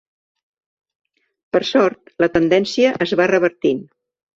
Per sort, la tendència es va revertint.